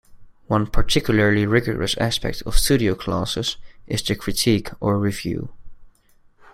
One particularly rigorous aspect of studio classes is the "critique" or "review.